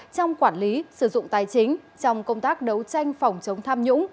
trong quản lý sử dụng tài chính trong công tác đấu tranh phòng chống tham nhũng